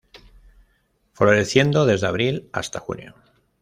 Floreciendo desde abril hasta junio.